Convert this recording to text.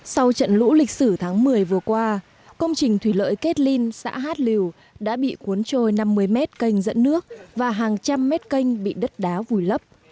sau trận lũ lịch sử tháng một mươi vừa qua công trình thủy lợi kết linh xã hát liều đã bị cuốn trôi năm mươi mét canh dẫn nước và hàng trăm mét canh bị đất đá vùi lấp